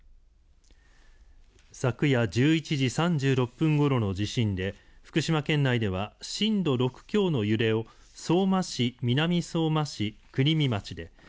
昨夜１１時３６分ごろの地震で福島県内では震度６強の揺れを相馬市、南相馬市国見町で。